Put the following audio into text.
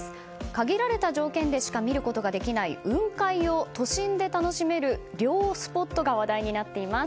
限られた条件でしか見ることができない雲海を都心で楽しめる涼スポットが話題になっています。